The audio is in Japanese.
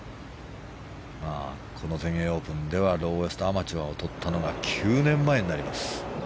この全英オープンではローエストアマチュアをとったのが９年前になります。